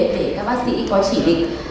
để các bác sĩ có chỉ định